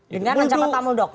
dengan ancapata muldoko